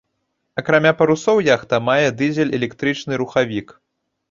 Акрамя парусоў яхта мае дызель-электрычны рухавік.